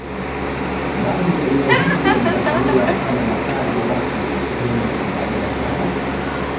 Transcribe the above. Bali eneo hili linatumiwa kama makazi ya watu sehemu za biashara